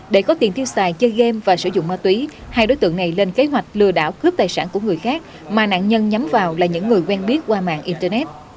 để có tiền tiêu xài chơi game và sử dụng ma túy hai đối tượng này lên kế hoạch lừa đảo cướp tài sản của người khác mà nạn nhân nhắm vào là những người quen biết qua mạng internet